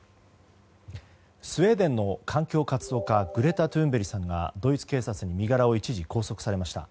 スウェーデンの環境活動家グレタ・トゥーンベリさんがドイツ警察に身柄を一時拘束されました。